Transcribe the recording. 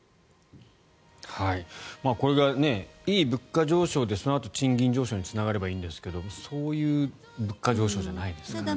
これがいい物価上昇でそのあと賃金上昇につながればいいんですけどそういう物価上昇じゃないんですね。